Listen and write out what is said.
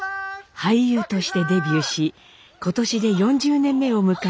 俳優としてデビューし今年で４０年目を迎える田中美佐子さん。